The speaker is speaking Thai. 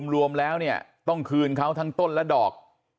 รวมแล้วเนี่ยต้องคืนเขาทั้งต้นและดอก